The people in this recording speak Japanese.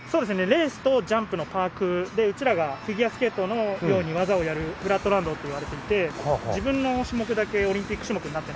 レースとジャンプのパークでうちらがフィギュアスケートのように技をやるフラットランドって言われていて自分の種目だけオリンピック種目になってなくて。